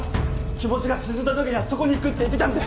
気持ちが沈んだ時にはそこに行くって言ってたんで！